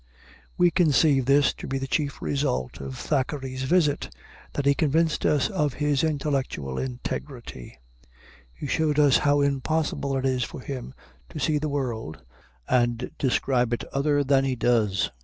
We conceive this to be the chief result of Thackeray's visit, that he convinced us of his intellectual integrity; he showed us how impossible it is for him to see the world and describe it other than he does.